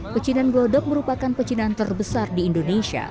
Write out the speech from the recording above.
percinan godop merupakan percinan terbesar di indonesia